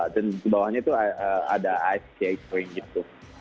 dan di bawahnya itu ada ice cake train gitu